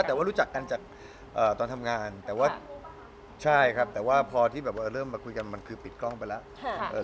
แต่ว่ารู้จักกันตอนทำงานแต่ว่าพอเขาคุยกันมันคือเริ่มปิดกล้องไปแล้ว